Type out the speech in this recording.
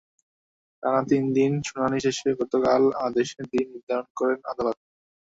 টানা তিন দিন শুনানি শেষে গতকাল আদেশের দিন নির্ধারণ করেন আদালত।